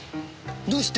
どうして！？